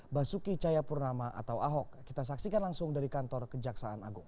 basuki cayapurnama atau ahok kita saksikan langsung dari kantor kejaksaan agung